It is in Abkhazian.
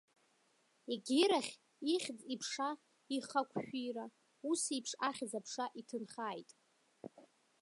Егьирахь, ихьӡ-иԥша, иҳақәшәира усеиԥш ахьӡ-аԥша иҭынхааит.